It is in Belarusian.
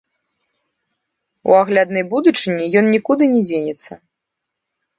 У агляднай будучыні ён нікуды не дзенецца.